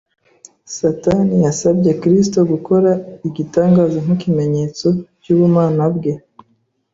Satani yasabye Kristo gukora igitangaza nk’ikimenyetso cy’ubumana bwe.